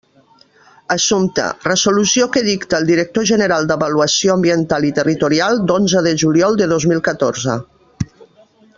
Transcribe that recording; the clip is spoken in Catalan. Assumpte: resolució que dicta el director general d'Avaluació Ambiental i Territorial, d'onze de juliol de dos mil catorze.